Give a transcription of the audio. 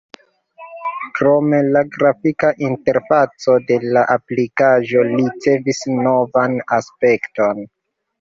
Krome la grafika interfaco de la aplikaĵo ricevis novan aspekton.